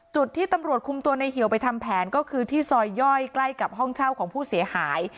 จุดที่ตำรวจคุมตัวในเหี่ยวไปทำแผนก็คือที่ซอยย่อยใกล้กับห้องเช่าของผู้เสียหาย